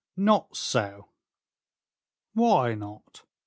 "Not so." "Why not?